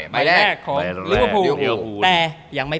ไม่ได้แบบนั้น